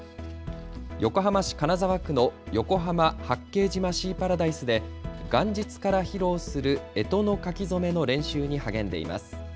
横浜市金沢区の横浜・八景島シーパラダイスで元日から披露するえとの書き初めの練習に励んでいます。